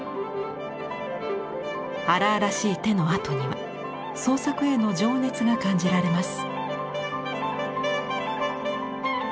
荒々しい手の跡には創作への情熱が感じられます。